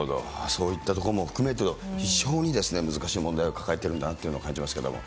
そういったことも含めて、非常に難しい問題を抱えてるんだなということを感じますけども。